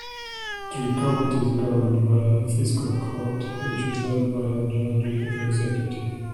Trigg County is governed by a Fiscal Court, which is led by a Judge-Executive.